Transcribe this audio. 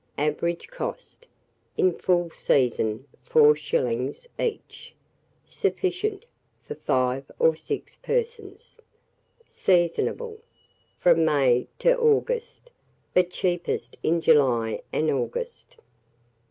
Average cost, in full season, 4s. each. Sufficient for 5 or 6 persons. Seasonable from May to August, but cheapest in July and August.